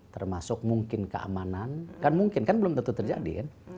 termasuk mungkin keamanan kan mungkin kan belum tentu terjadi kan